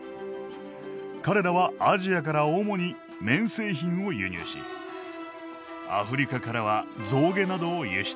彼らはアジアから主に綿製品を輸入しアフリカからは象牙などを輸出。